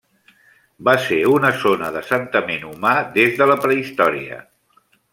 Va ser una zona d'assentament humà des de la prehistòria.